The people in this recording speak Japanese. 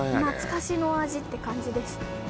あれ懐かしの味って感じです